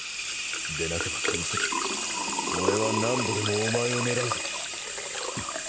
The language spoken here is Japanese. でなくばこの先俺は何度でもお前を狙うぞ。